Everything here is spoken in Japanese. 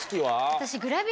私。